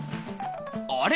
あれ？